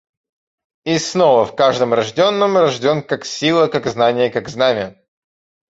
И снова в каждом рожденном рожден — как сила, как знанье, как знамя.